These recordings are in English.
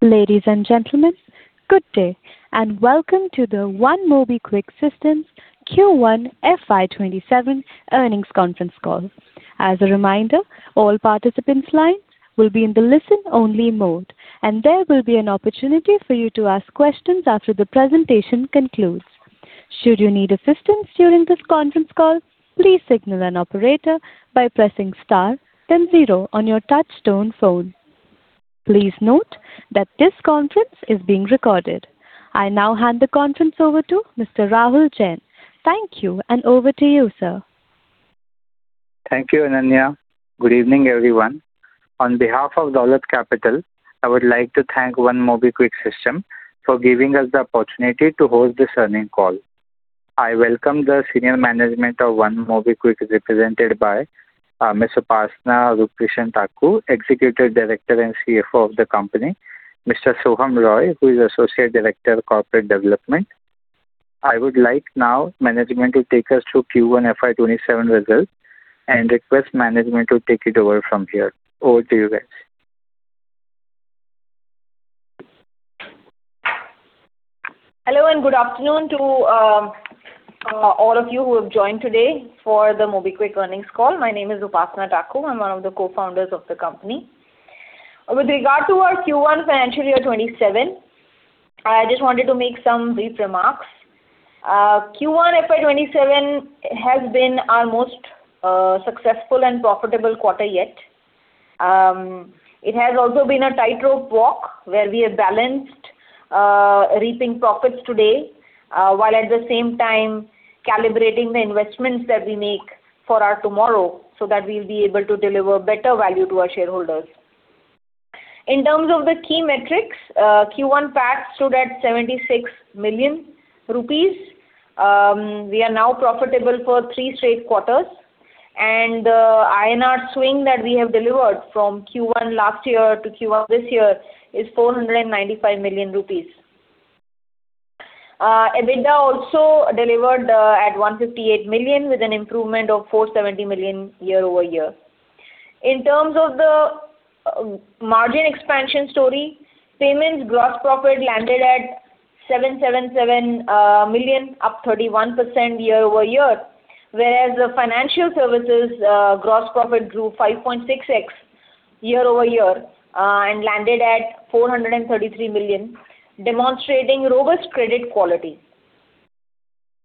Ladies and gentlemen, good day, and welcome to the One MobiKwik Systems Q1 FY 2027 earnings conference call. As a reminder, all participants' lines will be in the listen-only mode, and there will be an opportunity for you to ask questions after the presentation concludes. Should you need assistance during this conference call, please signal an operator by pressing star then zero on your touchtone phone. Please note that this conference is being recorded. I now hand the conference over to Mr. Rahul Jain. Thank you, and over to you, sir. Thank you, Ananya. Good evening, everyone. On behalf of Dolat Capital, I would like to thank One MobiKwik Systems for giving us the opportunity to host this earning call. I welcome the senior management of One MobiKwik, represented by Ms. Upasana Rupkrishan Taku, Executive Director and Chief Financial Officer of the company, Mr. Soham Roy, who is Associate Director of Corporate Development. I would like now management to take us through Q1 FY 2027 results and request management to take it over from here. Over to you guys. Hello and good afternoon to all of you who have joined today for the MobiKwik earnings call. My name is Upasana Taku. I'm one of the Co-Founders of the company. With regard to our Q1 financial year 2027, I just wanted to make some brief remarks. Q1 FY 2027 has been our most successful and profitable quarter yet. It has also been a tightrope walk where we have balanced reaping profits today, while at the same time calibrating the investments that we make for our tomorrow so that we'll be able to deliver better value to our shareholders. In terms of the key metrics, Q1 PAT stood at 76 million rupees. We are now profitable for three straight quarters, and the INR swing that we have delivered from Q1 last year to Q1 this year is 495 million rupees. EBITDA also delivered at 158 million with an improvement of 470 million year-over-year. In terms of the margin expansion story, payments gross profit landed at 777 million, up 31% year-over-year, whereas the financial services gross profit grew 5.6x year-over-year, and landed at 433 million, demonstrating robust credit quality.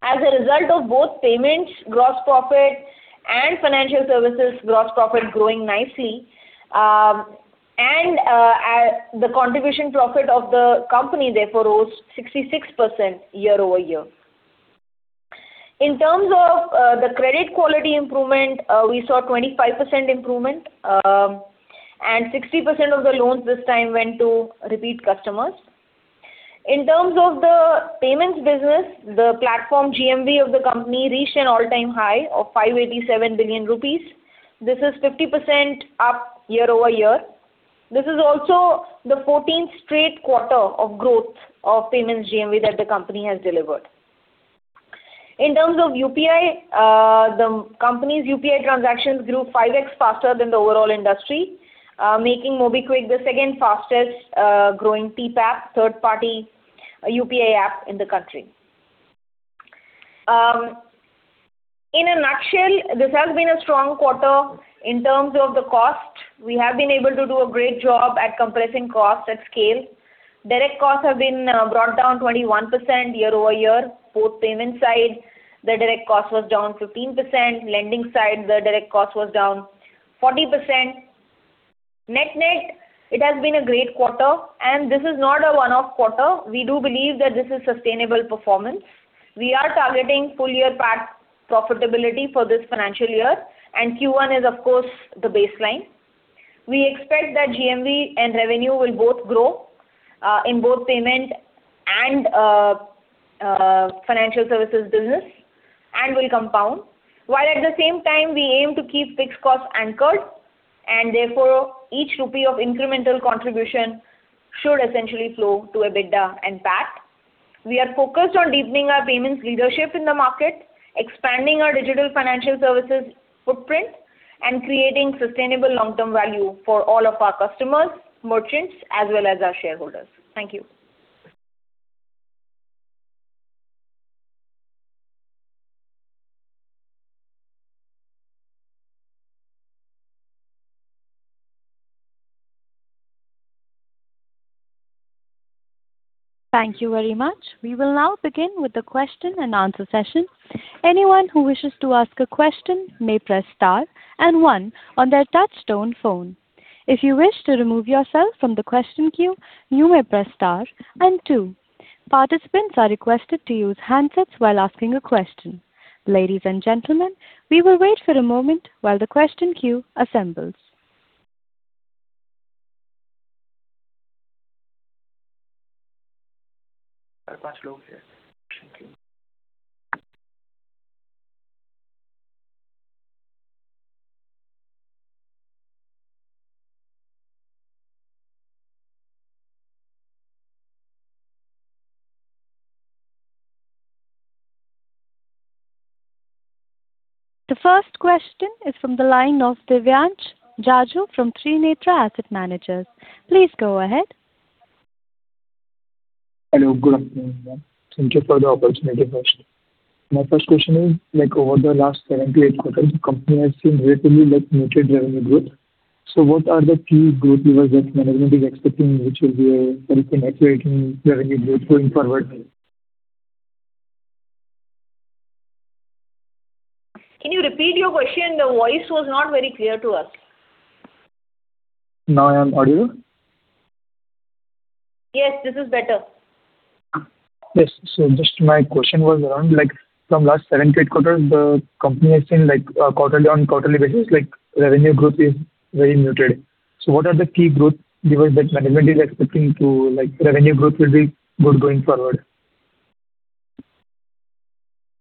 As a result of both payments gross profit and financial services gross profit growing nicely, the contribution profit of the company therefore rose 66% year-over-year. In terms of the credit quality improvement, we saw 25% improvement, and 60% of the loans this time went to repeat customers. In terms of the payments business, the platform GMV of the company reached an all-time high of 587 billion rupees. This is 50% up year-over-year. This is also the 14th straight quarter of growth of payments GMV that the company has delivered. In terms of UPI, the company's UPI transactions grew 5x faster than the overall industry, making MobiKwik the second fastest growing TPAP, third-party UPI app in the country. In a nutshell, this has been a strong quarter. In terms of the cost, we have been able to do a great job at compressing costs at scale. Direct costs have been brought down 21% year-over-year. Both payment side, the direct cost was down 15%. Lending side, the direct cost was down 40%. Net-net, it has been a great quarter, and this is not a one-off quarter. We do believe that this is sustainable performance. We are targeting full year PAT profitability for this financial year, and Q1 is, of course, the baseline. We expect that GMV and revenue will both grow in both payment and financial services business and will compound, while at the same time we aim to keep fixed costs anchored and therefore each rupee of incremental contribution should essentially flow to EBITDA and PAT. We are focused on deepening our payments leadership in the market, expanding our digital financial services footprint, and creating sustainable long-term value for all of our customers, merchants, as well as our shareholders. Thank you. Thank you very much. We will now begin with the question and answer session. Anyone who wishes to ask a question may press star and one on their touch-tone phone. If you wish to remove yourself from the question queue, you may press star and two. Participants are requested to use handsets while asking a question. Ladies and gentlemen, we will wait for a moment while the question queue assembles. The first question is from the line of Divyansh Jaju from Trinetra Asset Managers. Please go ahead. Hello. Good afternoon, ma'am. Thank you for the opportunity. My first question is, over the last seven to eight quarters, the company has seen relatively muted revenue growth. What are the key growth levers that management is expecting, which will be very penetrating revenue growth going forward? Can you repeat your question? The voice was not very clear to us. Now I am audible? Yes, this is better. Yes. Just my question was around from last seven, eight quarters, the company has seen on quarterly basis, revenue growth is very muted. What are the key growth levers that management is expecting revenue growth will be good going forward?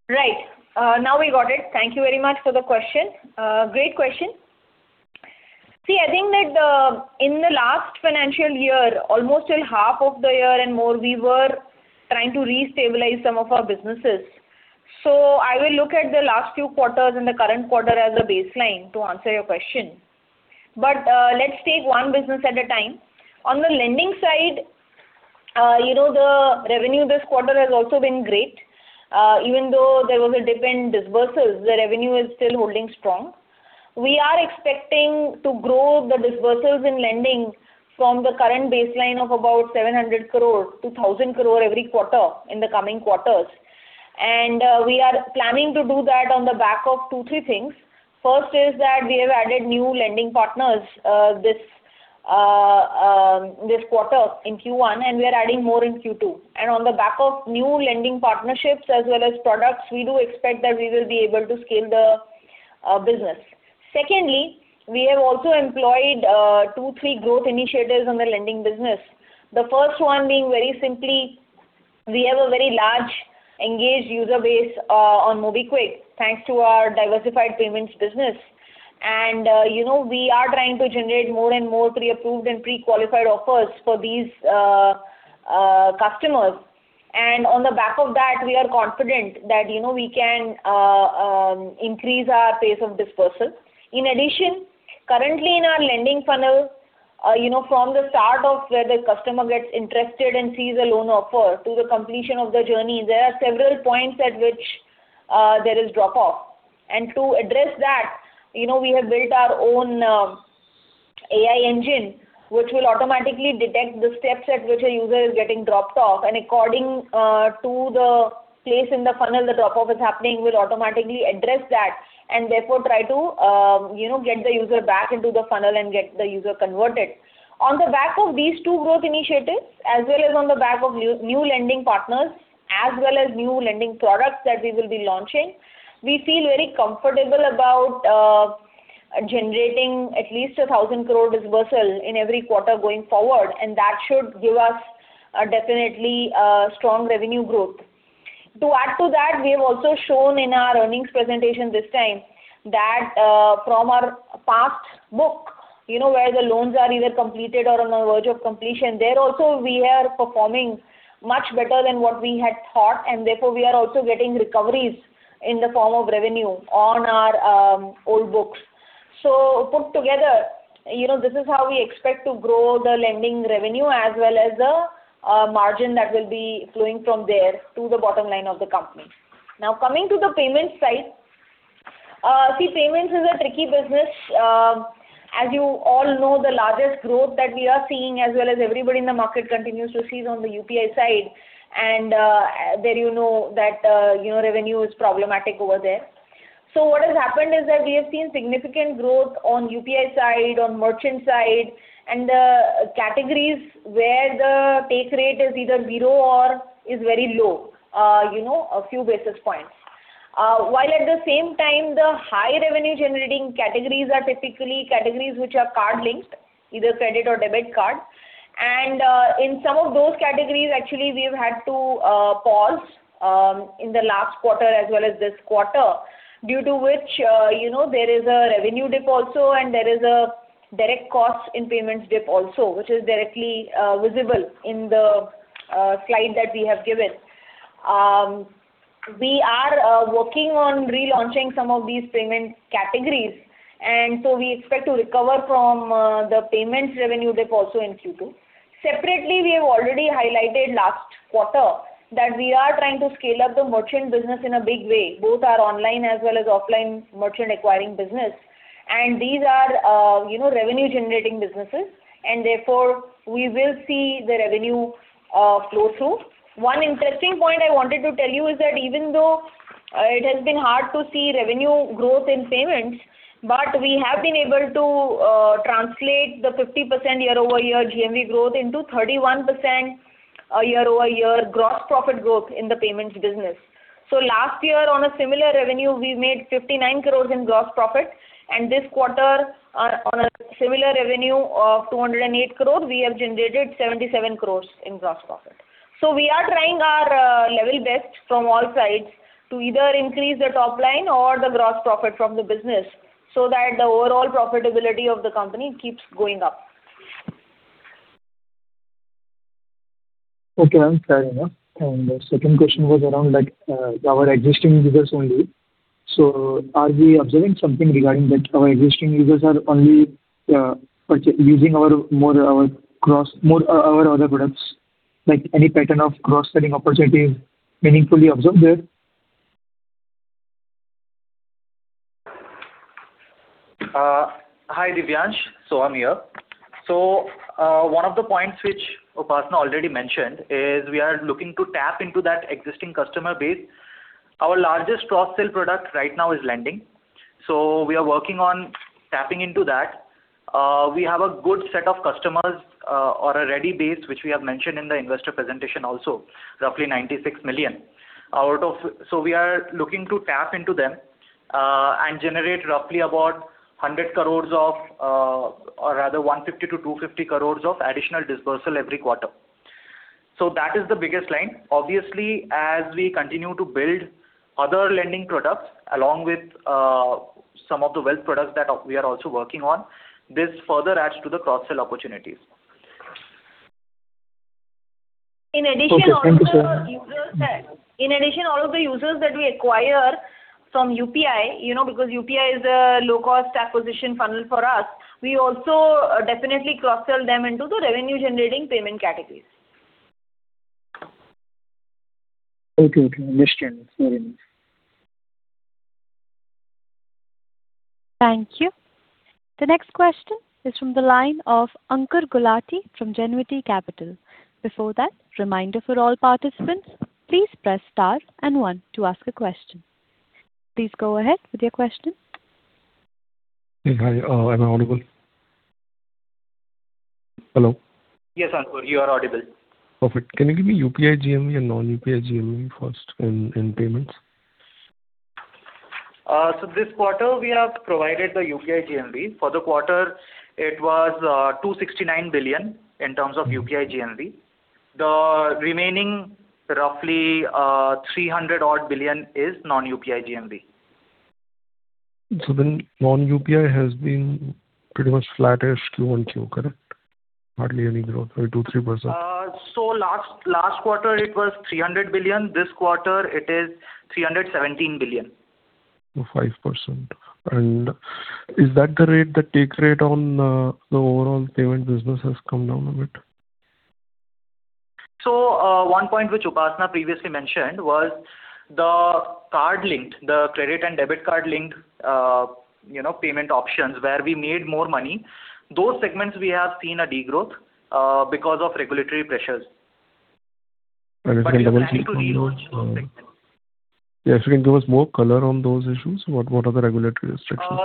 Right. Now we got it. Thank you very much for the question. Great question. See, I think that in the last financial year, almost till half of the year and more, we were trying to restabilize some of our businesses. I will look at the last few quarters and the current quarter as a baseline to answer your question. Let's take one business at a time. On the lending side, the revenue this quarter has also been great. Even though there was a dip in disbursements, the revenue is still holding strong. We are expecting to grow the disbursements in lending from the current baseline of about 700 crore-NR 1,000 crore every quarter in the coming quarters. We are planning to do that on the back of two, three things. First is that we have added new lending partners this quarter in Q1, and we are adding more in Q2. On the back of new lending partnerships as well as products, we do expect that we will be able to scale the business. Secondly, we have also employed two, three growth initiatives on the lending business. The first one being very simply, we have a very large engaged user base on MobiKwik, thanks to our diversified payments business. We are trying to generate more and more pre-approved and pre-qualified offers for these customers. On the back of that, we are confident that we can increase our pace of dispersal. In addition, currently in our lending funnel, from the start of where the customer gets interested and sees a loan offer to the completion of the journey, there are several points at which there is drop-off. To address that, we have built our own AI engine, which will automatically detect the steps at which a user is getting dropped off, and according to the place in the funnel the drop-off is happening will automatically address that, therefore try to get the user back into the funnel and get the user converted. On the back of these two growth initiatives, as well as on the back of new lending partners, as well as new lending products that we will be launching, we feel very comfortable about generating at least 1,000 crore dispersal in every quarter going forward, that should give us a definitely strong revenue growth. To add to that, we have also shown in our earnings presentation this time that from our past book, where the loans are either completed or on the verge of completion, there also, we are performing much better than what we had thought, and therefore, we are also getting recoveries in the form of revenue on our old books. Put together, this is how we expect to grow the lending revenue as well as the margin that will be flowing from there to the bottom line of the company. Now, coming to the payments side. See, payments is a tricky business. As you all know, the largest growth that we are seeing as well as everybody in the market continues to see is on the UPI side, there you know that revenue is problematic over there. What has happened is that we have seen significant growth on UPI side, on merchant side, and the categories where the take rate is either zero or is very low, a few basis points. While at the same time, the high revenue generating categories are typically categories which are card-linked, either credit or debit card. In some of those categories, actually, we've had to pause in the last quarter as well as this quarter, due to which there is a revenue dip also, and there is a direct cost in payments dip also, which is directly visible in the slide that we have given. We are working on relaunching some of these payment categories, we expect to recover from the payments revenue dip also in Q2. Separately, we have already highlighted last quarter that we are trying to scale up the merchant business in a big way, both our online as well as offline merchant acquiring business. These are revenue-generating businesses, and therefore, we will see the revenue flow through. One interesting point I wanted to tell you is that even though it has been hard to see revenue growth in payments, we have been able to translate the 50% year-over-year GMV growth into 31% year-over-year gross profit growth in the payments business. Last year on a similar revenue, we made 59 crore in gross profit, and this quarter on a similar revenue of 208 crore, we have generated 77 crore in gross profit. We are trying our level best from all sides to either increase the top line or the gross profit from the business so that the overall profitability of the company keeps going up. Okay, ma'am. Fair enough. The second question was around our existing users only. Are we observing something regarding that our existing users are only using more of our other products? Like any pattern of cross-selling opportunity meaningfully observed there? Hi, Divyansh. Soham here. One of the points which Upasana already mentioned is we are looking to tap into that existing customer base. Our largest cross-sell product right now is lending, so we are working on tapping into that. We have a good set of customers or a ready base, which we have mentioned in the investor presentation also, roughly 96 million. We are looking to tap into them, and generate roughly about 100 crores or rather 150 crores-250 crores of additional dispersal every quarter. That is the biggest line. Obviously, as we continue to build other lending products along with some of the wealth products that we are also working on, this further adds to the cross-sell opportunities. Okay. Thank you, sir. In addition, all of the users that we acquire from UPI, because UPI is a low-cost acquisition funnel for us, we also definitely cross-sell them into the revenue-generating payment categories. Okay. Understood. Thank you. The next question is from the line of Ankur Gulati from Genuity Capital. Before that, reminder for all participants, please press star and one to ask a question. Please go ahead with your question. Yes. Hi. Am I audible? Hello? Yes, Ankur, you are audible. Perfect. Can you give me UPI GMV and non-UPI GMV first in payments? This quarter, we have provided the UPI GMV. For the quarter, it was 269 billion in terms of UPI GMV. The remaining, roughly 300 odd billion, is non-UPI GMV. Non-UPI has been pretty much flat as Q1 too, correct? Hardly any growth, maybe 2%, 3%. Last quarter it was 300 billion. This quarter it is 317 billion. 5%. Is that the rate the take rate on the overall payment business has come down a bit? One point which Upasana previously mentioned was the card linked, the credit and debit card linked payment options where we made more money. Those segments we have seen a degrowth because of regulatory pressures. We plan to relaunch those segments. If you can give us more color on those issues, what are the regulatory restrictions?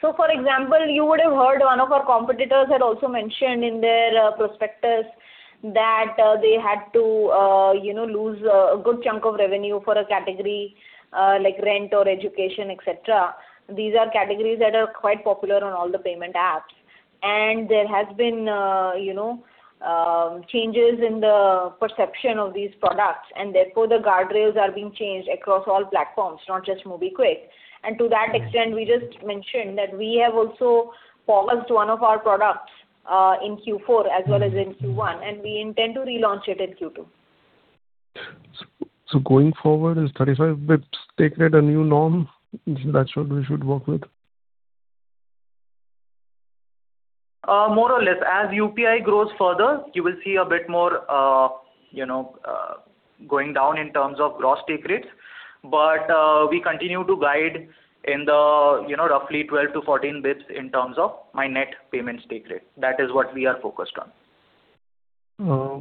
For example, you would've heard one of our competitors had also mentioned in their prospectus that they had to lose a good chunk of revenue for a category like rent or education, et cetera. These are categories that are quite popular on all the payment apps. There has been changes in the perception of these products and therefore the guardrails are being changed across all platforms, not just MobiKwik. To that extent, we just mentioned that we have also paused one of our products in Q4 as well as in Q1, and we intend to relaunch it in Q2. Going forward is 35 basis points take rate a new norm? Is that what we should work with? More or less. As UPI grows further, you will see a bit more going down in terms of gross take rates. We continue to guide in the roughly 12 basis points-14 basis points in terms of my net payments take rate. That is what we are focused on.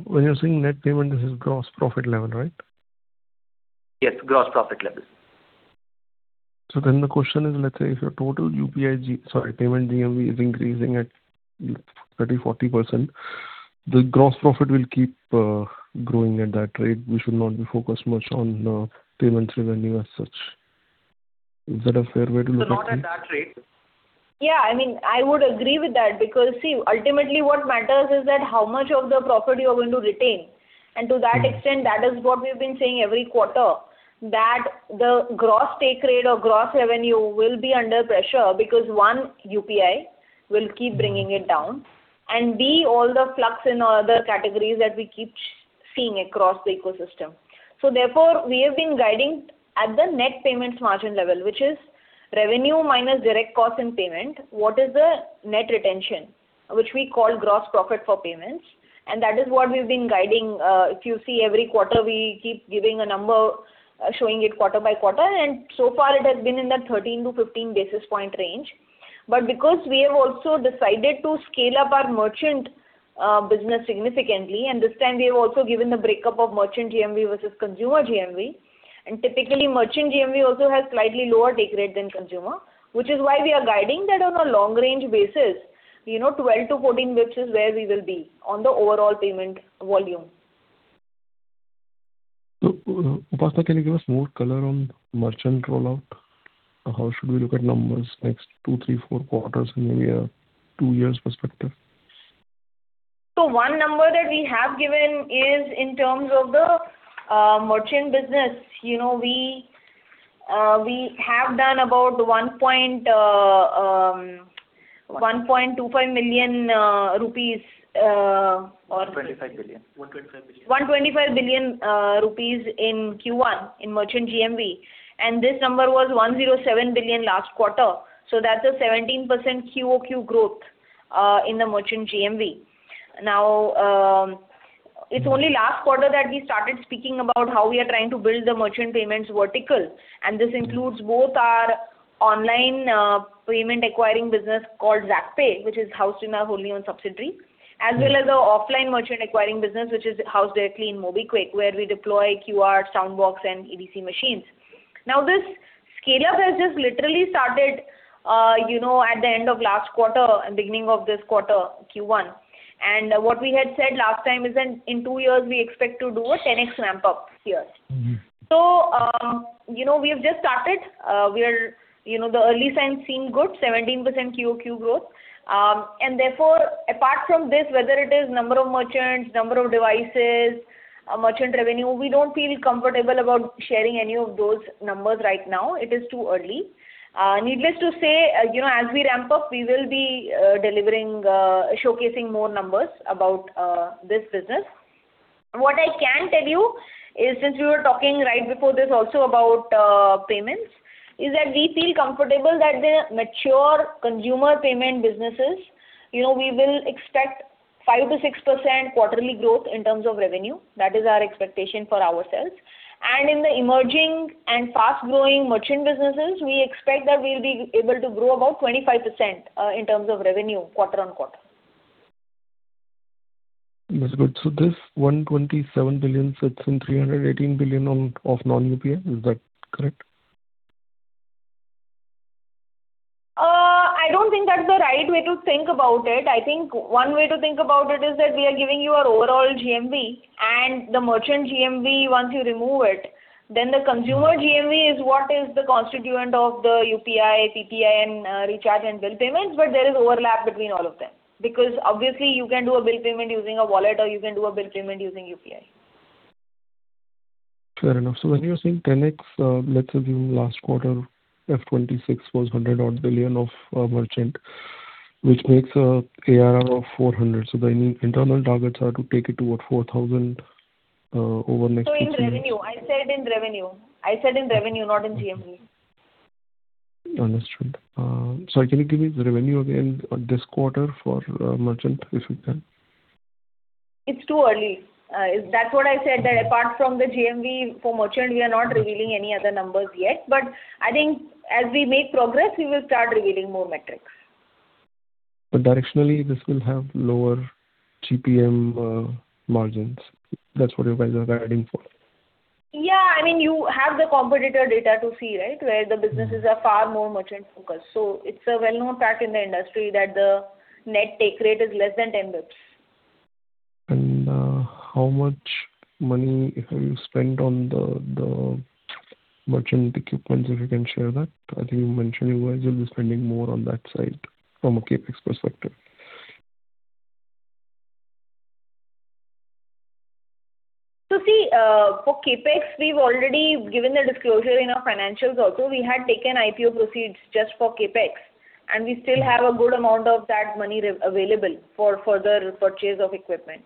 When you're saying net payment, this is gross profit level, right? Yes, gross profit level. The question is, let's say if your total payment GMV is increasing at 30%, 40%, the gross profit will keep growing at that rate. We should not be focused much on payments revenue as such. Is that a fair way to look at it? Not at that rate. Yeah. I would agree with that because, see, ultimately what matters is that how much of the profit you're going to retain. To that extent, that is what we've been saying every quarter, that the gross take rate or gross revenue will be under pressure because, one, UPI will keep bringing it down. B, all the flux in other categories that we keep seeing across the ecosystem. Therefore, we have been guiding at the net payments margin level, which is revenue minus direct cost and payment. What is the net retention? Which we call gross profit for payments. That is what we've been guiding. If you see every quarter, we keep giving a number, showing it quarter by quarter, and so far it has been in the 13 basis points-15 basis points range. Because we have also decided to scale up our merchant business significantly, this time we have also given the breakup of merchant GMV versus consumer GMV. Typically, merchant GMV also has slightly lower take rate than consumer, which is why we are guiding that on a long-range basis. 12 basis points-14 basis points is where we will be on the overall payment volume. Upasana, can you give us more color on merchant rollout? How should we look at numbers next two, three, four quarters in maybe a two years perspective? One number that we have given is in terms of the merchant business. We have done about 1.25 million rupees 125 billion rupees. 125 billion rupees in Q1 in merchant GMV. This number was 107 billion last quarter, that's a 17% QoQ growth in the merchant GMV. It's only last quarter that we started speaking about how we are trying to build the merchant payments vertical, and this includes both our online payment acquiring business called Zaakpay, which is housed in our wholly-owned subsidiary, as well as our offline merchant acquiring business, which is housed directly in MobiKwik, where we deploy QR, Soundbox, and EDC machines. This scale-up has just literally started at the end of last quarter and beginning of this quarter, Q1. What we had said last time is in two years, we expect to do a 10x ramp-up here. We have just started. The early signs seem good, 17% QoQ growth. Therefore, apart from this, whether it is number of merchants, number of devices, merchant revenue, we don't feel comfortable about sharing any of those numbers right now. It is too early. Needless to say, as we ramp up, we will be delivering, showcasing more numbers about this business. What I can tell you is, since we were talking right before this also about payments, is that we feel comfortable that the mature consumer payment businesses, we will expect 5%-6% quarterly growth in terms of revenue. That is our expectation for ourselves. In the emerging and fast-growing merchant businesses, we expect that we'll be able to grow about 25% in terms of revenue quarter-on-quarter. That's good. This 127 billion sits in 318 billion of non-UPI, is that correct? I don't think that's the right way to think about it. One way to think about it is that we are giving you our overall GMV, and the merchant GMV, once you remove it, then the consumer GMV is what is the constituent of the UPI, PPI, and recharge and bill payments. There is overlap between all of them. Obviously you can do a bill payment using a wallet, or you can do a bill payment using UPI. Fair enough. When you're saying 10x, let's say the last quarter FY 2026 was 100 billion of merchant, which makes ARR of 400 billion. The internal targets are to take it to what, 4,000 billion over next two years? In revenue. I said in revenue. I said in revenue, not in GMV. Understood. Can you give me the revenue again this quarter for merchant, if you can? It's too early. That's what I said, that apart from the GMV for merchant, we are not revealing any other numbers yet. I think as we make progress, we will start revealing more metrics. Directionally, this will have lower GPM margins. That's what you guys are guiding for? Yeah. You have the competitor data to see, right? Where the businesses are far more merchant-focused. It's a well-known fact in the industry that the net take rate is less than 10 basis points. How much money have you spent on the merchant equipment, if you can share that? I think you mentioned you guys will be spending more on that side from a CapEx perspective. See, for CapEx, we've already given the disclosure in our financials also. We had taken IPO proceeds just for CapEx, and we still have a good amount of that money available for further purchase of equipment.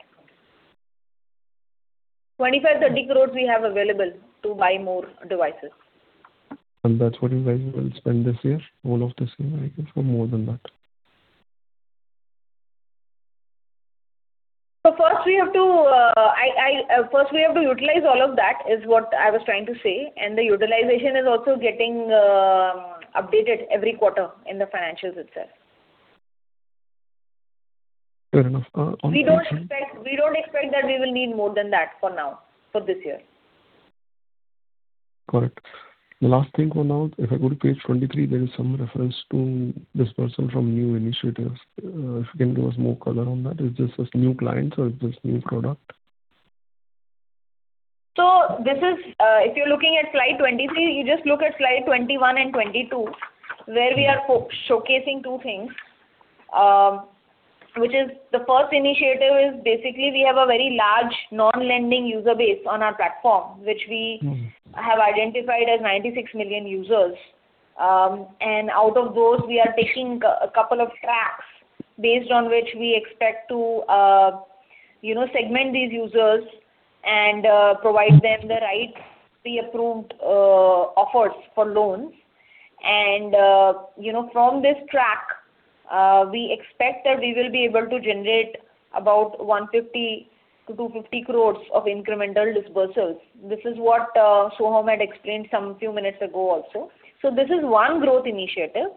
2,530 crores we have available to buy more devices. That's what you guys will spend this year? Whole of this year, I guess, or more than that? First, we have to utilize all of that, is what I was trying to say, and the utilization is also getting updated every quarter in the financials itself. Fair enough. We don't expect that we will need more than that for now, for this year. Correct. The last thing for now, if I go to page 23, there is some reference to dispersal from new initiatives. If you can give us more color on that. Is this just new clients or is this new product? If you're looking at slide 23, you just look at slide 21 and 22 where we are showcasing two things. The first initiative is basically we have a very large non-lending user base on our platform, which we have identified as 96 million users. Out of those, we are taking a couple of tracks based on which we expect to segment these users and provide them the right pre-approved offers for loans. From this track, we expect that we will be able to generate about 150 crore-250 crore of incremental disbursals. This is what Soham had explained some few minutes ago also. This is one growth initiative.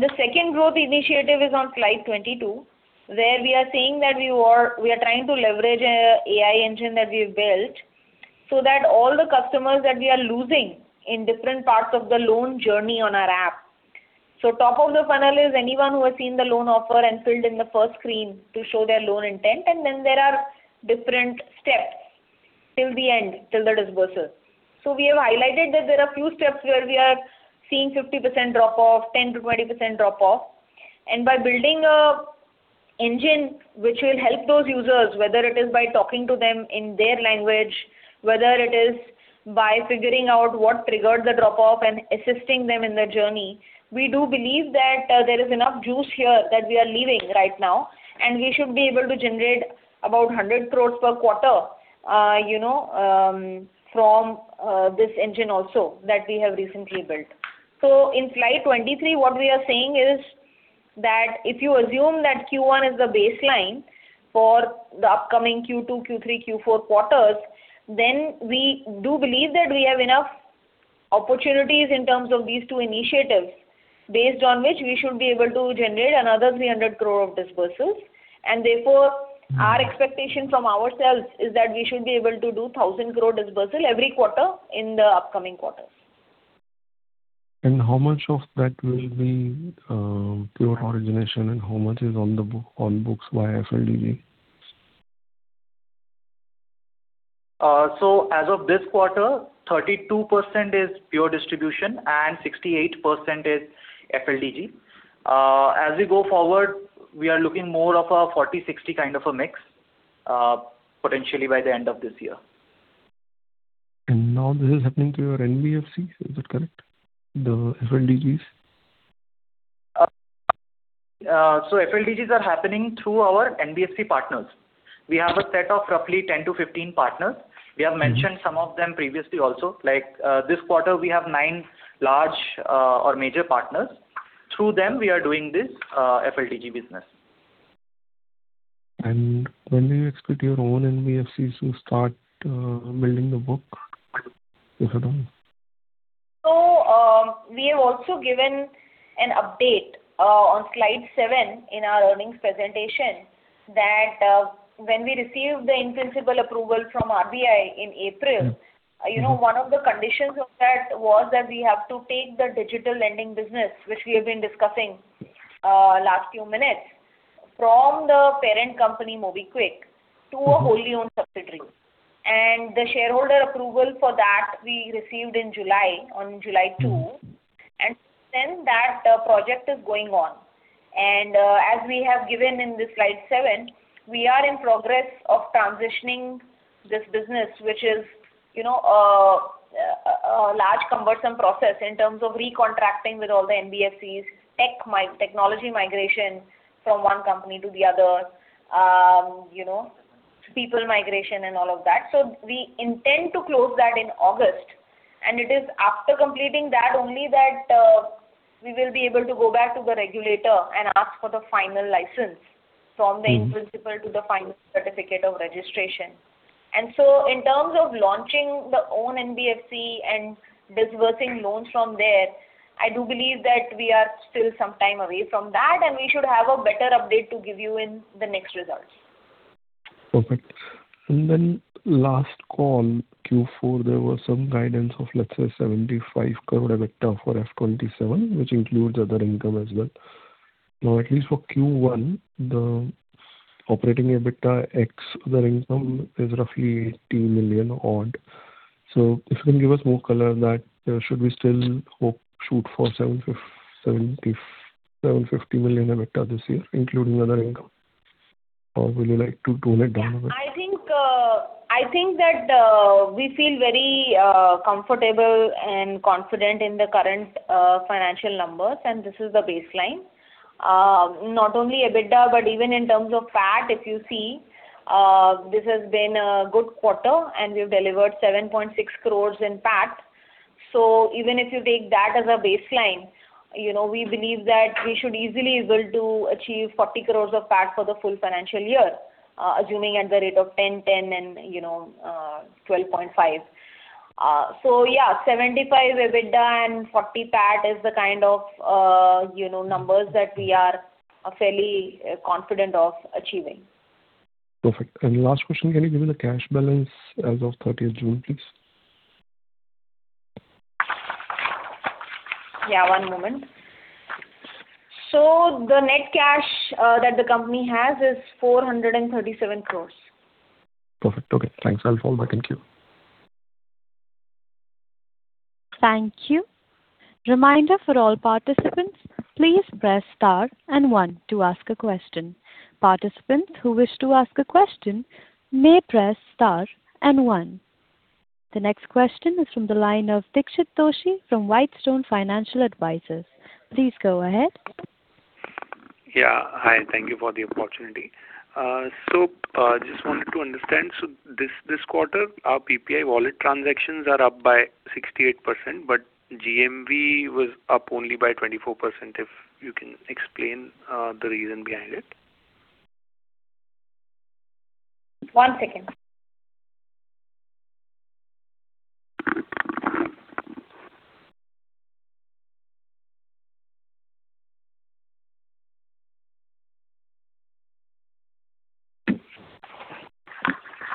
The second growth initiative is on slide 22 where we are saying that we are trying to leverage an AI engine that we've built so that all the customers that we are losing in different parts of the loan journey on our app. Top of the funnel is anyone who has seen the loan offer and filled in the first screen to show their loan intent, and then there are different steps till the end, till the disbursal. We have highlighted that there are few steps where we are seeing 50% drop-off, 10%-20% drop-off, and by building a Engine, which will help those users, whether it is by talking to them in their language, whether it is by figuring out what triggered the drop-off and assisting them in their journey. We do believe that there is enough juice here that we are leaving right now, and we should be able to generate about 100 crore per quarter from this engine also that we have recently built. In slide 23, what we are saying is that if you assume that Q1 is the baseline for the upcoming Q2, Q3, Q4 quarters, then we do believe that we have enough opportunities in terms of these two initiatives, based on which we should be able to generate another 300 crore of disbursements. Therefore, our expectation from ourselves is that we should be able to do 1,000 crore disbursal every quarter in the upcoming quarters. How much of that will be pure origination and how much is on books via FLDG? As of this quarter, 32% is pure distribution and 68% is FLDG. As we go forward, we are looking more of a 40-60 kind of a mix, potentially by the end of this year. Now this is happening through your NBFC, is that correct? The FLDGs? FLDGs are happening through our NBFC partners. We have a set of roughly 10 to 15 partners. We have mentioned some of them previously also. This quarter, we have nine large or major partners. Through them, we are doing this FLDG business. When do you expect your own NBFCs to start building the book? If at all. We have also given an update on slide seven in our earnings presentation that when we received the in-principle approval from RBI in April, one of the conditions of that was that we have to take the digital lending business, which we have been discussing last few minutes, from the parent company, MobiKwik, to a wholly owned subsidiary. The shareholder approval for that we received in July, on July 2. Since then, that project is going on. As we have given in the slide seven, we are in progress of transitioning this business, which is a large, cumbersome process in terms of recontracting with all the NBFCs, technology migration from one company to the other, people migration and all of that. We intend to close that in August. It is after completing that only that we will be able to go back to the regulator and ask for the final license from the in-principle to the final certificate of registration. In terms of launching the own NBFC and disbursing loans from there, I do believe that we are still some time away from that, and we should have a better update to give you in the next results. Perfect. Last call, Q4, there was some guidance of, let's say, 75 crore EBITDA for FY 2027, which includes other income as well. Now, at least for Q1, the operating EBITDA ex other income is roughly 80 million odd. If you can give us more color that should we still shoot for 750 million EBITDA this year, including other income? Or will you like to tone it down a bit? I think that we feel very comfortable and confident in the current financial numbers, this is the baseline. Not only EBITDA, but even in terms of PAT, if you see, this has been a good quarter, we've delivered 7.6 crores in PAT. Even if you take that as a baseline, we believe that we should easily be able to achieve 40 crores of PAT for the full financial year, assuming at the rate of 10-10 and 12.5. 75 crore EBITDA and 40 crore PAT is the kind of numbers that we are fairly confident of achieving. Perfect. Last question, can you give me the cash balance as of 30th June, please? Yeah, one moment. The net cash that the company has is 437 crores. Perfect. Okay. Thanks. I'll follow back. Thank you. Thank you. Reminder for all participants, please press star and one to ask a question. Participants who wish to ask a question may press star and one. The next question is from the line of Dixit Doshi from Whitestone Financial Advisors. Please go ahead. Hi. Thank you for the opportunity. Just wanted to understand. This quarter, our PPI wallet transactions are up by 68%, but GMV was up only by 24%. If you can explain the reason behind it? One second.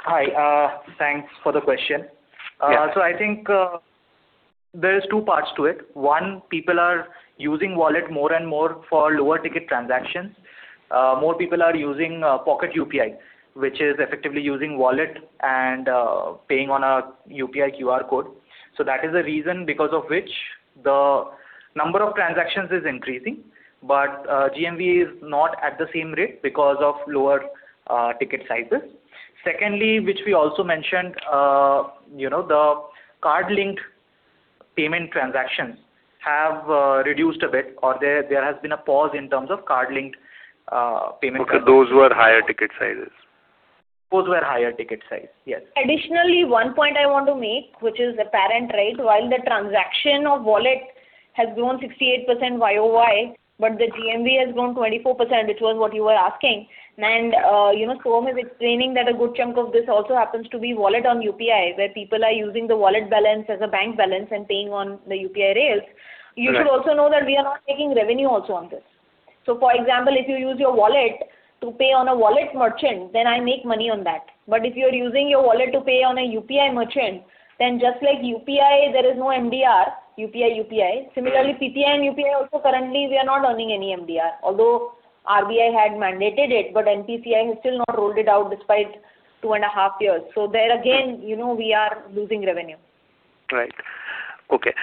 Hi. Thanks for the question. Yeah. I think there's two parts to it. One, people are using wallet more and more for lower-ticket transactions. More people are using Pocket UPI, which is effectively using wallet and paying on a UPI QR code. That is the reason because of which the number of transactions is increasing, but GMV is not at the same rate because of lower ticket sizes. Secondly, which we also mentioned, the card-linked payment transactions have reduced a bit, or there has been a pause in terms of card-linked payment transactions. Those were higher ticket sizes. Those were higher ticket size, yes. Additionally, 1 point I want to make, which is apparent, while the transaction of wallet has grown 68% YoY, but the GMV has grown 24%, which was what you were asking. Soham is explaining that a good chunk of this also happens to be wallet on UPI, where people are using the wallet balance as a bank balance and paying on the UPI rails. Correct. You should also know that we are not taking revenue also on this. For example, if you use your wallet to pay on a wallet merchant, then I make money on that. If you're using your wallet to pay on a UPI merchant, then just like UPI, there is no MDR, UPI-UPI. Similarly, PPI and UPI also currently we are not earning any MDR, although RBI had mandated it, but NPCI has still not rolled it out despite two and a half years. There again, we are losing revenue. Right. Okay. Is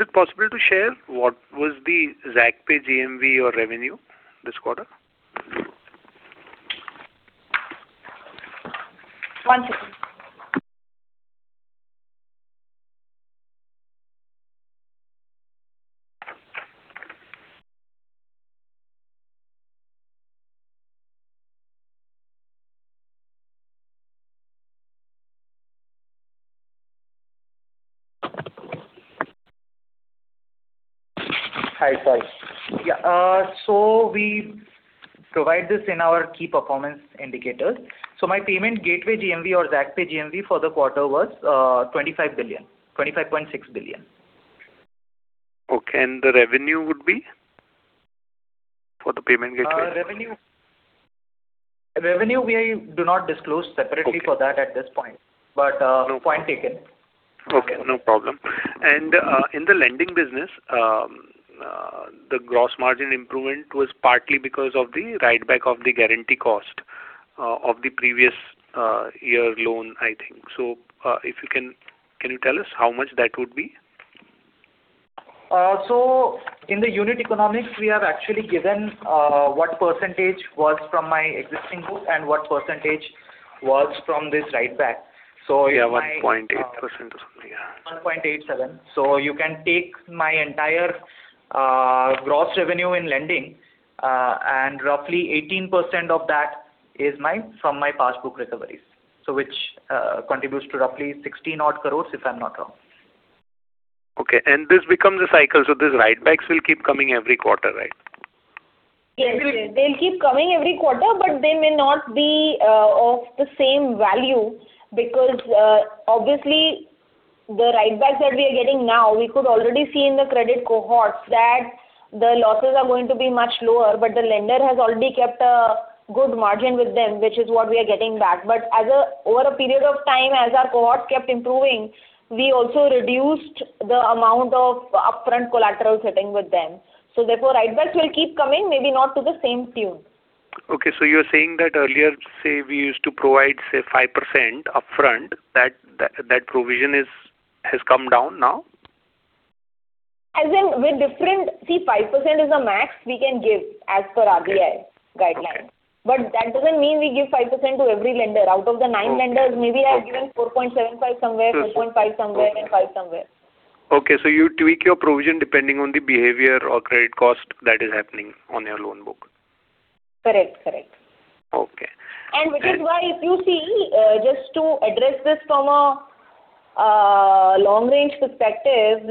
it possible to share what was the Zaakpay GMV or revenue this quarter? One second. Hi, Soham here. We provide this in our key performance indicators. My payment gateway GMV or Zaakpay GMV for the quarter was 25.6 billion. Okay, the revenue would be? For the payment gateway. Revenue we do not disclose separately for that at this point. Okay. Point taken. Okay, no problem. In the lending business, the gross margin improvement was partly because of the write-back of the guarantee cost of the previous year loan, I think. Can you tell us how much that would be? In the unit economics, we have actually given what percentage was from my existing book and what percentage was from this write-back. Yeah, 1.8% or something. Yeah. 1.87%. You can take my entire gross revenue in lending, and roughly 18% of that is from my past book recoveries. Which contributes to roughly 16 odd crores if I'm not wrong. Okay. This becomes a cycle, these write-backs will keep coming every quarter, right? Yes. They'll keep coming every quarter, but they may not be of the same value because, obviously, the write-backs that we are getting now, we could already see in the credit cohorts that the losses are going to be much lower, but the lender has already kept a good margin with them, which is what we are getting back. Over a period of time, as our cohort kept improving, we also reduced the amount of upfront collateral sitting with them. Therefore, write-backs will keep coming, maybe not to the same tune. Okay. You're saying that earlier, say, we used to provide, say, 5% upfront, that provision has come down now? As in. See, 5% is the max we can give as per RBI guidelines. Okay. That doesn't mean we give 5% to every lender. Out of the nine lenders, maybe I have given 4.75% somewhere, 4.5% somewhere, and 5% somewhere. Okay. You tweak your provision depending on the behavior or credit cost that is happening on your loan book. Correct. Okay. Which is why if you see, just to address this from a long-range perspective,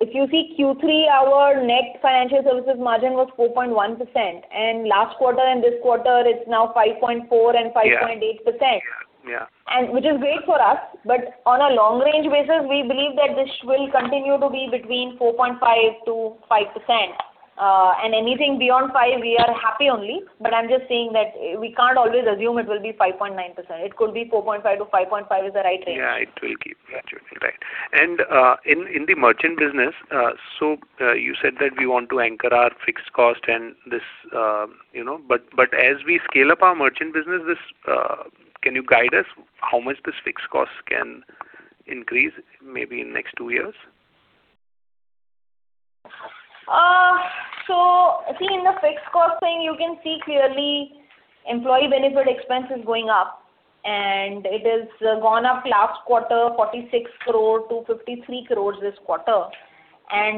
if you see Q3, our net financial services margin was 4.1%, and last quarter and this quarter it's now 5.4% and 5.8%. Yeah. Which is great for us, but on a long-range basis, we believe that this will continue to be between 4.5% and 5%. Anything beyond 5% we are happy only, but I'm just saying that we can't always assume it will be 5.9%. It could be 4.5%-5.5% is the right range. Yeah. It will keep gradually. Right. In the merchant business, so you said that we want to anchor our fixed cost and this, but as we scale up our merchant business, can you guide us how much this fixed cost can increase maybe in next two years? See, in the fixed cost thing, you can see clearly employee benefit expense is going up. It has gone up last quarter, 46 crore-53 crores this quarter.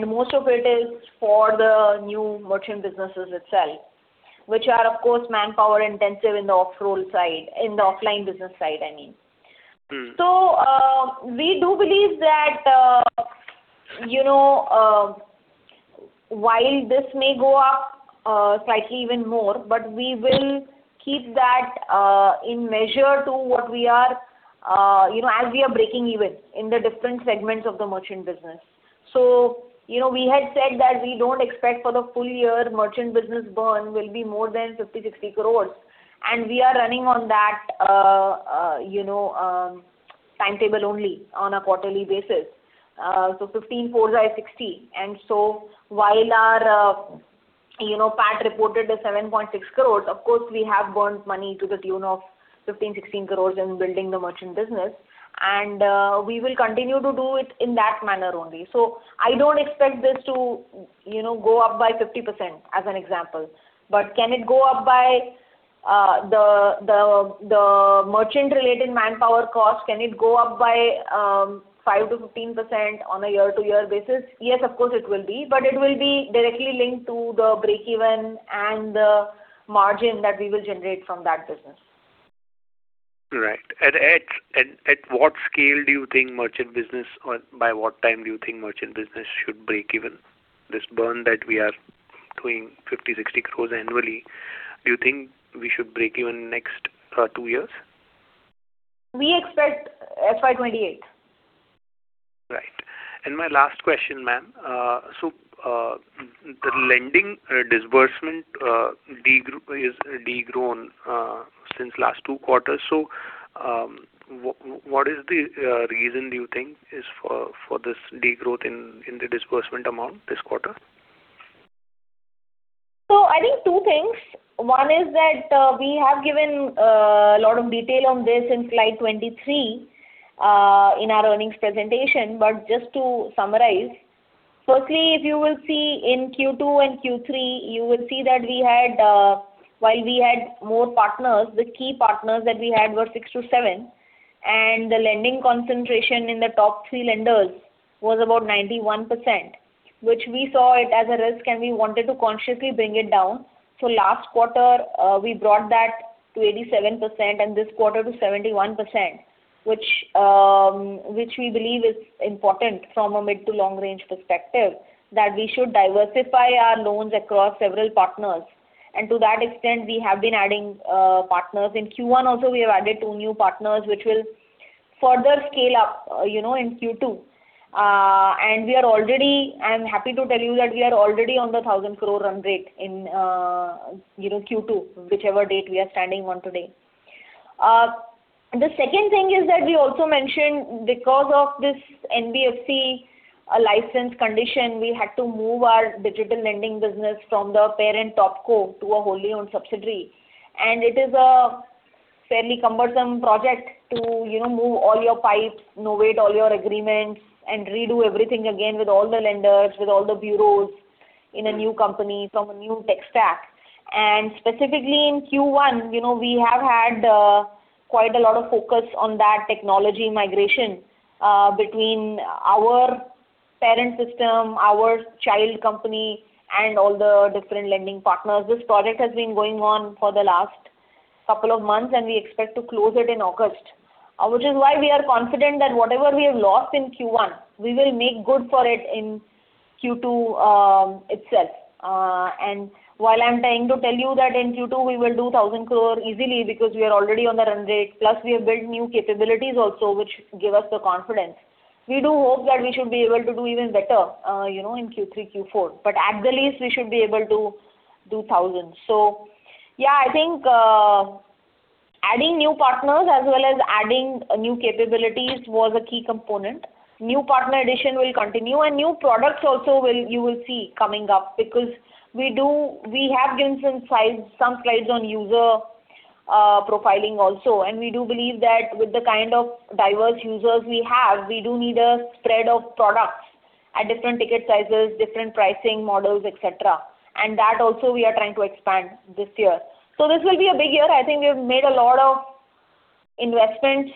Most of it is for the new merchant businesses itself, which are, of course, manpower-intensive in the off-role side, in the offline business side, I mean. We do believe that while this may go up slightly even more, but we will keep that in measure to what we are breaking even in the different segments of the merchant business. We had said that we don't expect for the full year merchant business burn will be more than 50 crore-60 crore, and we are running on that timetable only on a quarterly basis. 15 fours are 60. While our PAT reported 7.6 crore. Of course, we have burned money to the tune of 15 crore-16 crore in building the merchant business, and we will continue to do it in that manner only. I don't expect this to go up by 50%, as an example. But the merchant-related manpower cost, can it go up by 5%-15% on a year-over-year basis? Yes, of course it will be, but it will be directly linked to the break-even and the margin that we will generate from that business. Right. At what scale do you think merchant business, or by what time do you think merchant business should break even? This burn that we are doing 50 crore-60 crore annually, do you think we should break even next two years? We expect FY 2028. Right. My last question, ma'am. The lending disbursement is de-grown since last two quarters. What is the reason do you think is for this degrowth in the disbursement amount this quarter? I think two things. One is that we have given a lot of detail on this in Slide 23 in our earnings presentation. Just to summarize, firstly, if you will see in Q2 and Q3, you will see that while we had more partners, the key partners that we had were six to seven, and the lending concentration in the top three lenders was about 91%, which we saw it as a risk, we wanted to consciously bring it down. Last quarter, we brought that to 87% and this quarter to 71%, which we believe is important from a mid-to-long-range perspective, that we should diversify our loans across several partners. To that extent, we have been adding partners. In Q1 also, we have added two new partners which will further scale up in Q2. I'm happy to tell you that we are already on the 1,000 crore run rate in Q2, whichever date we are standing on today. The second thing is that we also mentioned, because of this NBFC license condition, we had to move our digital lending business from the parent topco to a wholly owned subsidiary. It is a fairly cumbersome project to move all your pipes, novate all your agreements, and redo everything again with all the lenders, with all the bureaus in a new company from a new tech stack. Specifically in Q1, we have had quite a lot of focus on that technology migration between our parent system, our child company, and all the different lending partners. This project has been going on for the last couple of months, we expect to close it in August, which is why we are confident that whatever we have lost in Q1, we will make good for it in Q2 itself. While I'm trying to tell you that in Q2 we will do 1,000 crore easily because we are already on the run rate, plus we have built new capabilities also, which give us the confidence. We do hope that we should be able to do even better in Q3, Q4. At the least, we should be able to do 1,000. Yeah, I think adding new partners as well as adding new capabilities was a key component. New partner addition will continue. New products also you will see coming up because we have given some slides on user profiling also. We do believe that with the kind of diverse users we have, we do need a spread of products at different ticket sizes, different pricing models, et cetera. That also we are trying to expand this year. This will be a big year. I think we've made a lot of investments,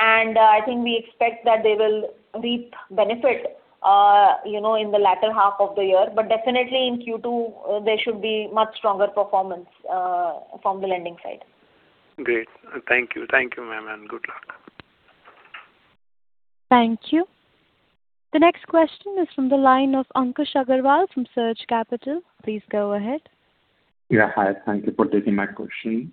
and I think we expect that they will reap benefit in the latter half of the year, but definitely in Q2, there should be much stronger performance from the lending side. Great. Thank you. Thank you, ma'am, and good luck. Thank you. The next question is from the line of Ankush Agrawal from Surge Capital. Please go ahead. Yeah. Hi. Thank you for taking my question.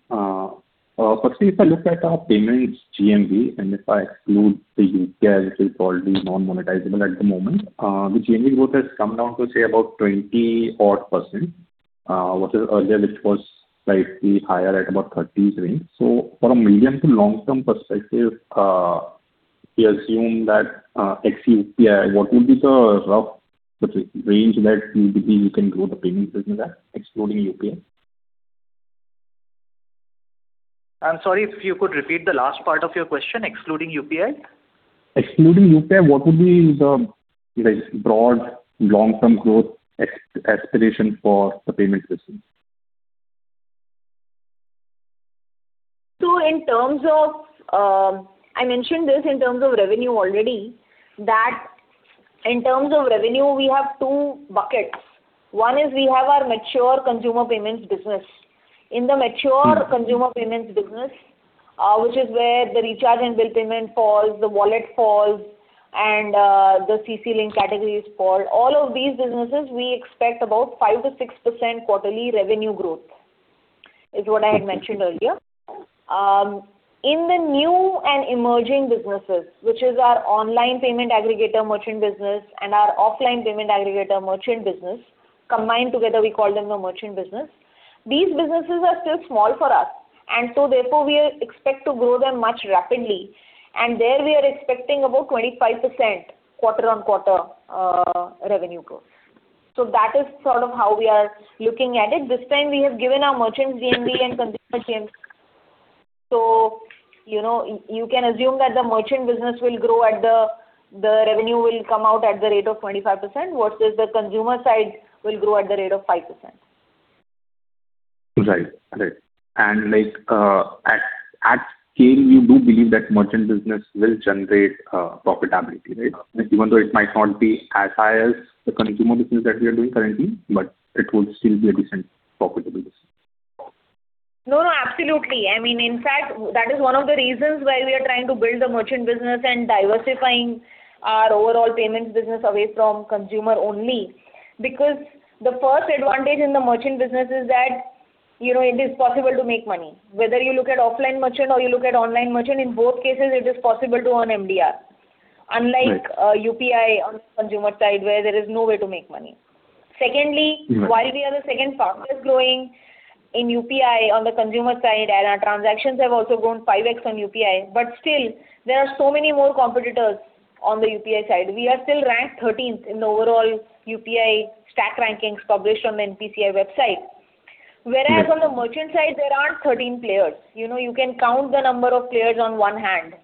Firstly, if I look at our payments GMV, and if I exclude the UPI, which is probably non-monetizable at the moment, the GMV growth has come down to, say, about 20 odd%. Whereas earlier it was slightly higher at about 30% range. For a medium to long-term perspective, if we assume that ex-UPI, what would be the rough range that you believe you can grow the payment business at, excluding UPI? I'm sorry if you could repeat the last part of your question, excluding UPI? Excluding UPI, what would be the broad long-term growth aspiration for the payment business? I mentioned this in terms of revenue already, that in terms of revenue, we have two buckets. One is we have our mature consumer payments business. In the mature consumer payments business, which is where the recharge and bill payment falls, the wallet falls, and the CC link categories fall. All of these businesses, we expect about 5%-6% quarterly revenue growth, is what I had mentioned earlier. In the new and emerging businesses, which is our online payment aggregator merchant business and our offline payment aggregator merchant business, combined together, we call them the merchant business. These businesses are still small for us, therefore we expect to grow them much rapidly. There we are expecting about 25% quarter-on-quarter revenue growth. That is sort of how we are looking at it. This time we have given our merchant GMV and consumer GMV. You can assume that the merchant business will grow at the revenue will come out at the rate of 25%, versus the consumer side will grow at the rate of 5%. Right. At scale, you do believe that merchant business will generate profitability, right? Even though it might not be as high as the consumer business that we are doing currently, it would still be a decent profitable business. No, absolutely. In fact, that is one of the reasons why we are trying to build the merchant business and diversifying our overall payments business away from consumer only. The first advantage in the merchant business is that it is possible to make money. Whether you look at offline merchant or you look at online merchant, in both cases, it is possible to earn MDR. Right. Unlike UPI on consumer side where there is no way to make money. Secondly. Right We are the second fastest growing in UPI on the consumer side and our transactions have also grown 5x on UPI, still, there are so many more competitors on the UPI side. We are still ranked 13th in the overall UPI stack rankings published on NPCI website. Whereas on the merchant side, there aren't 13 players. You can count the number of players on one hand.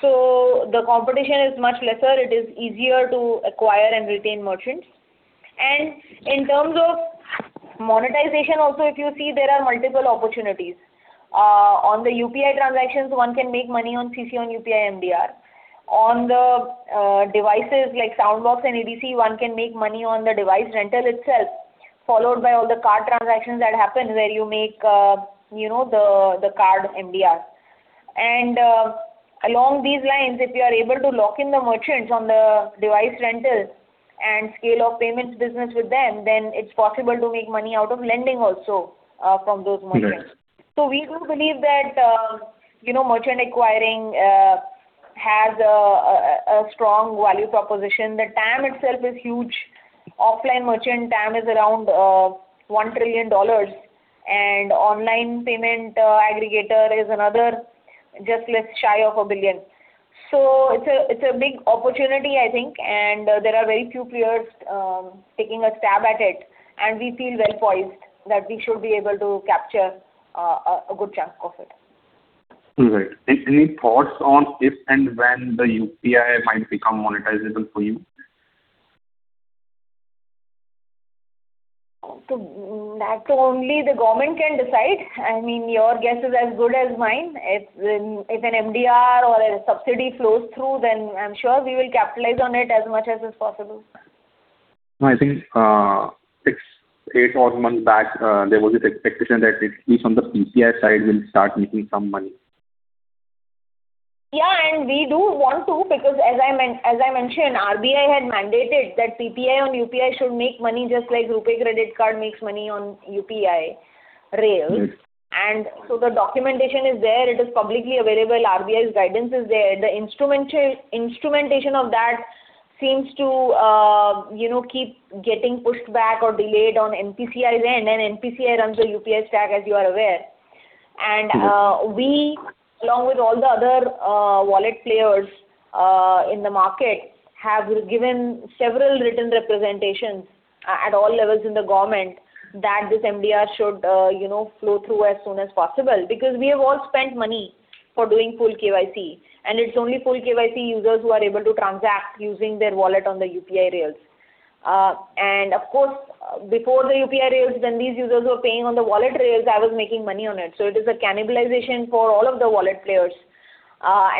The competition is much lesser. It is easier to acquire and retain merchants. In terms of monetization also, if you see there are multiple opportunities. On the UPI transactions, one can make money on CC and UPI MDR. On the devices like Soundbox and EDC, one can make money on the device rental itself, followed by all the card transactions that happen where you make the card MDR. Along these lines, if you are able to lock in the merchants on the device rentals and scale up payments business with them, then it's possible to make money out of lending also from those merchants. Right. We do believe that merchant acquiring has a strong value proposition. The TAM itself is huge. Offline merchant TAM is around INR 1 trillion, and online payment aggregator is another just less shy of 1 billion. It's a big opportunity, I think, and there are very few players taking a stab at it, and we feel well-poised that we should be able to capture a good chunk of it. Right. Any thoughts on if and when the UPI might become monetizable for you? That only the government can decide. Your guess is as good as mine. If an MDR or a subsidy flows through, then I'm sure we will capitalize on it as much as is possible. I think six, eight odd months back, there was this expectation that at least on the NPCI side, we'll start making some money. Yeah, we do want to because as I mentioned, RBI had mandated that PPI on UPI should make money just like RuPay credit card makes money on UPI rails. Right. The documentation is there, it is publicly available. RBI's guidance is there. The instrumentation of that seems to keep getting pushed back or delayed on NPCI's end, NPCI runs the UPI stack as you are aware. We, along with all the other wallet players in the market, have given several written representations at all levels in the government that this MDR should flow through as soon as possible because we have all spent money for doing full KYC, and it's only full KYC users who are able to transact using their wallet on the UPI rails. Of course, before the UPI rails, when these users were paying on the wallet rails, I was making money on it. It is a cannibalization for all of the wallet players.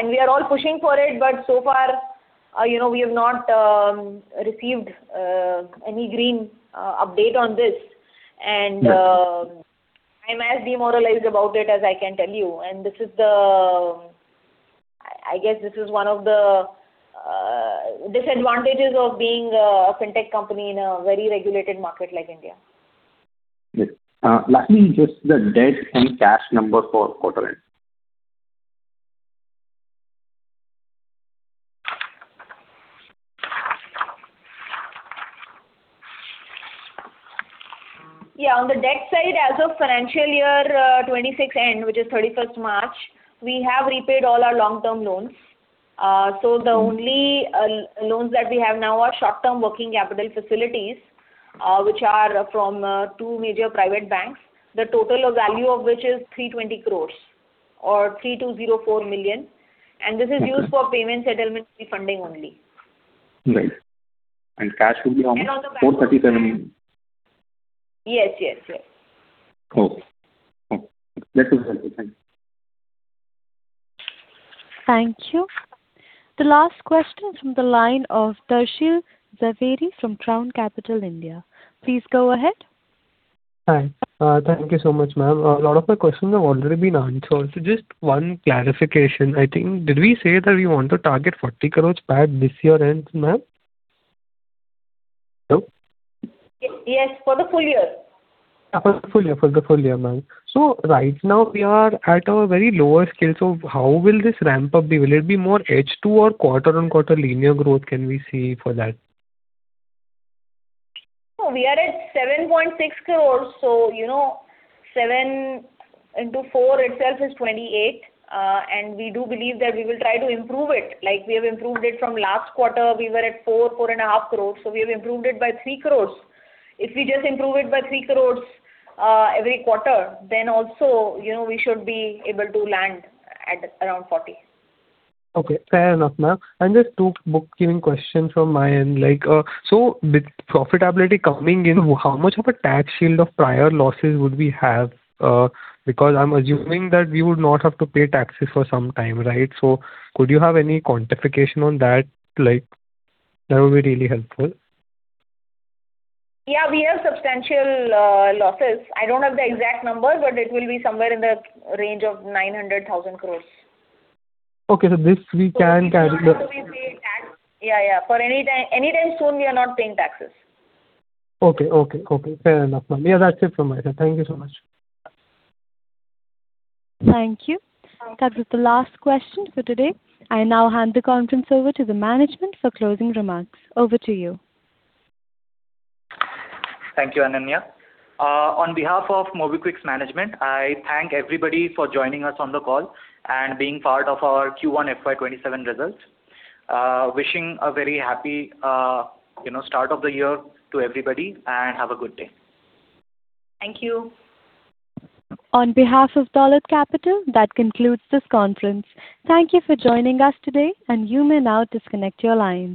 We are all pushing for it, so far we have not received any green update on this. I'm as demoralized about it as I can tell you. I guess this is one of the disadvantages of being a fintech company in a very regulated market like India. Yes. Lastly, just the debt and cash number for quarter end. Yeah. On the debt side, as of financial year 2026 end, which is 31st March, we have repaid all our long-term loans. The only loans that we have now are short-term working capital facilities, which are from two major private banks. The total value of which is 320 crores or 3,204 million. This is used for payment settlement funding only. Right. Cash will be almost 437 million. Yes. Okay. That's helpful. Thank you. Thank you. The last question from the line of Darshil Jhaveri from Crown Capital. Please go ahead. Hi. Thank you so much, ma'am. A lot of my questions have already been answered. Just one clarification. I think, did we say that we want to target 40 crore by this year end, ma'am? Hello? Yes, for the full year. For the full year, ma'am. Right now we are at a very lower scale. How will this ramp up be? Will it be more H2 or quarter on quarter linear growth can we see for that? No, we are at 7.6 crore. seven into four itself is 28. We do believe that we will try to improve it like we have improved it from last quarter. We were at four and a half crore, so we have improved it by 3 crore. If we just improve it by 3 crore every quarter, also, we should be able to land at around 40 crore. Okay. Fair enough, ma'am. Just two bookkeeping questions from my end. With profitability coming in, how much of a tax shield of prior losses would we have? I'm assuming that we would not have to pay taxes for some time, right? Could you have any quantification on that? That would be really helpful. Yeah, we have substantial losses. I don't have the exact number, but it will be somewhere in the range of 900,000 crore. Okay. This we can. We do not have to pay tax. Yeah. Anytime soon, we are not paying taxes. Okay. Fair enough, ma'am. Yeah, that's it from my side. Thank you so much. Thank you. That was the last question for today. I now hand the conference over to the management for closing remarks. Over to you. Thank you, Ananya. On behalf of MobiKwik's management, I thank everybody for joining us on the call and being part of our Q1 FY 2027 results. Wishing a very happy start of the year to everybody, and have a good day. Thank you. On behalf of Dolat Capital, that concludes this conference. Thank you for joining us today, and you may now disconnect your lines.